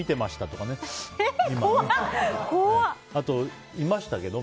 あと、いましたけど？